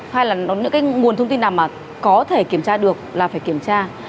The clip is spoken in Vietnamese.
hay là những cái nguồn thông tin nào mà có thể kiểm tra được là phải kiểm tra